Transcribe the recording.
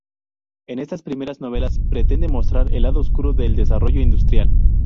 En estas primeras novelas pretende mostrar el lado oscuro del desarrollo industrial.